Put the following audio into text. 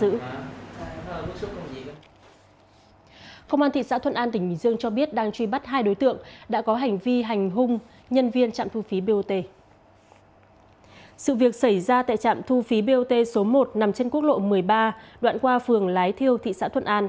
sự việc xảy ra tại trạm thu phí bot số một nằm trên quốc lộ một mươi ba đoạn qua phường lái thiêu thị xã thuận an